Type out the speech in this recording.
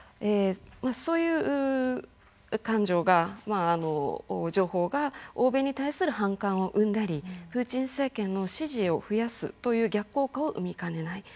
そういう情報が欧米に対する反感を生んだりプーチン政権の支持を増やすという逆効果を生みかねない。